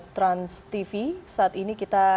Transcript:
transtv saat ini kita